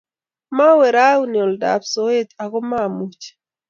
Mawe rauni oldab soeet aku maamech